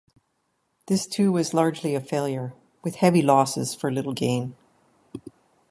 This too was largely a failure, with heavy losses for little gain.